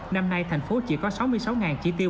năm nay thành phố chỉ có sáu mươi sáu chỉ tiêu